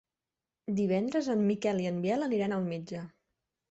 Divendres en Miquel i en Biel aniran al metge.